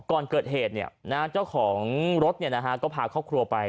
ก่อนเกิดเหตุเนี่ยนะฮะเจ้าของรถเนี่ยนะฮะก็พาครอบครัวไป